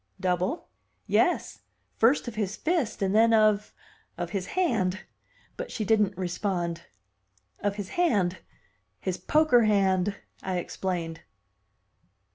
"Double?" "Yes, first of his fist and then of of his hand!" But she didn't respond. "Of his hand his poker hand," I explained.